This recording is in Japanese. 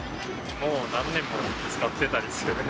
もう何年も使ってたりするんで。